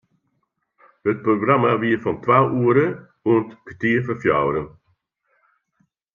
It programma wie fan twa oere oant kertier foar fjouweren.